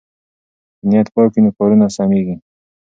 که نیت پاک وي نو کارونه سمېږي.